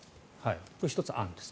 これ、１つ案です。